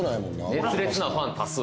「熱烈なファン多数」